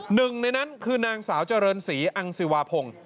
หนึ่งในนั้นคือนางสาวเจริญศรีอังสิวาพงศ์